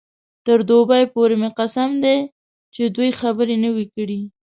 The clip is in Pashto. تر دوبۍ پورې مې قسم دی چې دوې خبرې نه وې کړې.